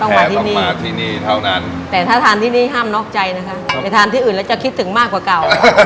มาที่นี่มาที่นี่เท่านั้นแต่ถ้าทานที่นี่ห้ามนอกใจนะคะไปทานที่อื่นแล้วจะคิดถึงมากกว่าเก่า